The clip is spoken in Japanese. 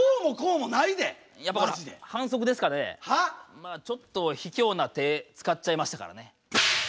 まあちょっとひきょうな手使っちゃいましたからね。